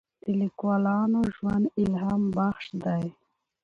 د لیکوالانو ژوند الهام بخش دی.